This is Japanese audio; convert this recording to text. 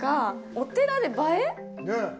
お寺で映え？